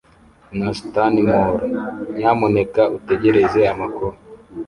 na Stanmore Nyamuneka utegereze amakuru".